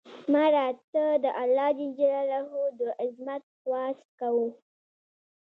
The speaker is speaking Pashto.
مړه ته د الله ج د عظمت خواست کوو